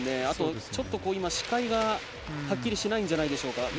あと、ちょっと視界がはっきりしないんじゃないでしょうか。